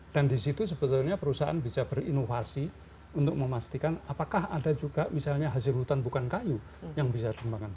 dan di situ sebetulnya perusahaan bisa berinovasi untuk memastikan apakah ada juga misalnya hasil hutan bukan kayu yang bisa dikembangkan